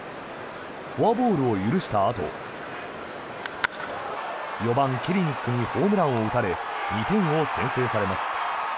フォアボールを許したあと４番、ケリニックにホームランを打たれ２点を先制されます。